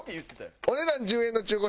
「お値段１０円の中古車